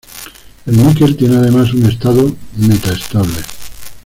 El níquel tiene además un estado metaestable.